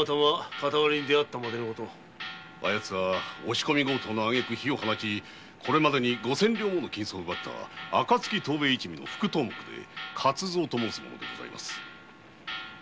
あ奴は押し込み強盗のあげく放火しこれまで五千両奪った「暁一味」の副頭目で勝蔵と申す者でございます。